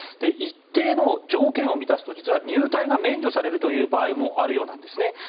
一定の条件を満たすと実は入隊が免除される場合もあるそうなんです。